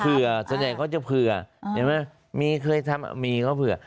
ส่วนใหญ่เขาจะเผื่อเห็นไหมมีเคยทำมีเขาเผื่อ